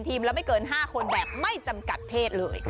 ละไม่เกิน๕คนแบบไม่จำกัดเพศเลย